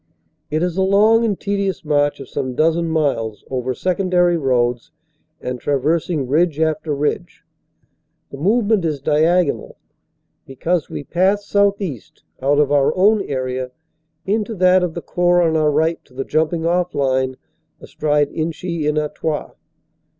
It is a long and tedious march of some dozen miles over secondary roads and traversing ridge after ridge. The move ment is diagonal, because we pass southeast out of our own area into that of the Corps on our right to the jumping off line astride Inchy en Artois.